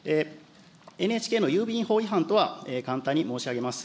ＮＨＫの郵便法違反とは、簡単に申し上げます。